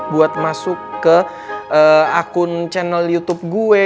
buat masuk ke akun channel youtube gue